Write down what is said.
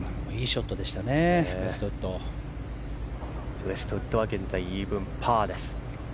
ウェストウッドは現在イーブンパーです。